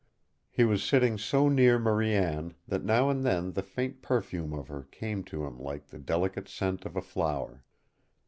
He was sitting so near Marie Anne that now and then the faint perfume of her came to him like the delicate scent of a flower.